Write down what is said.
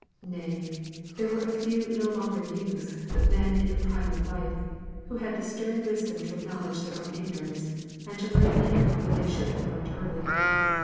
Nay, there were a few no longer youths, but men in the prime of life, who had the stern wisdom to acknowledge their own ignorance, and to learn late what they should have learnt early.